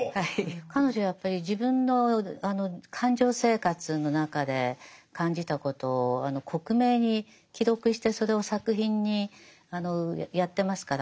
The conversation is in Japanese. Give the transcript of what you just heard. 彼女やっぱり自分の感情生活の中で感じたことを克明に記録してそれを作品にやってますから。